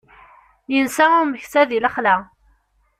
Yensa umeksa deg lexla.